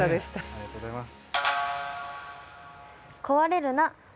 ありがとうございます。